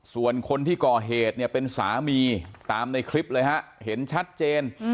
ส่วนคนที่ก่อเหตุเนี่ยเป็นสามีตามในคลิปเลยฮะเห็นชัดเจน